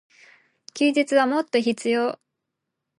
休日はもっと必要。